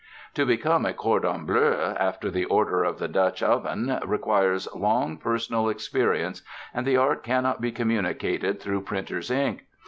To become a cordon bleu after the Order of the Dutch Oven, requires long personal experience, and the art cannot be communicated through printer's ink.